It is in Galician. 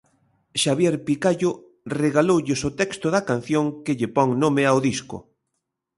Xavier Picallo regaloulles o texto da canción que lle pon nome ao disco.